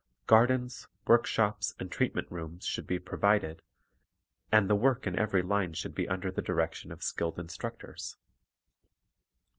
Gardens, workshops, and treatment rooms should be provided, and the work in every line should be under the direction of skilled instructors.